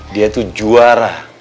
dia itu juara